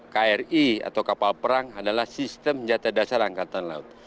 kri atau kapal perang adalah sistem senjata dasar angkatan laut